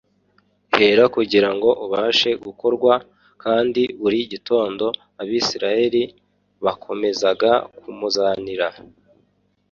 hera kugira ngo ubashe gukorwa kandi buri gitondo abisirayeli bakomezaga kumuzanira